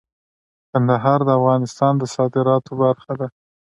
کندهار د افغانستان د صادراتو برخه ده.